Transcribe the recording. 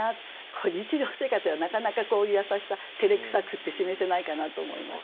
日常生活はなかなかこういう優しさてれくさくって示せないかなと思いました。